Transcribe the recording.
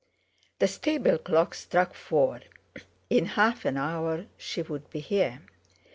The stable clock struck four; in half an hour she would be here.